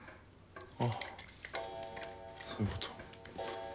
あっそういうこと。